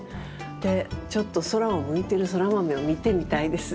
でちょっと空を向いてるソラマメを見てみたいです。